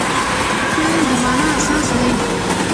فعل د مانا اساس دئ.